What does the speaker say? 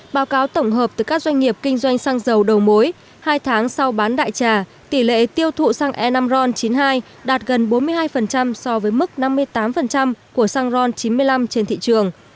báo cáo tổng hợp từ các doanh nghiệp kinh doanh xăng dầu đầu mối hai tháng sau bán đại trà tỷ lệ tiêu thụ xăng e năm ron chín mươi hai đạt gần bốn mươi hai so với mức năm mươi tám của xăng ron chín mươi năm trên thị trường